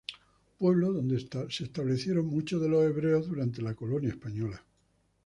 Pueblo donde se establecieron muchos de los hebreos durante la colonia española.